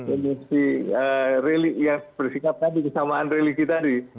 emosi religi yang bersikap tadi kesamaan religi tadi